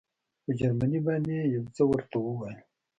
په جرمني باندې یې یو څه ورته وویل.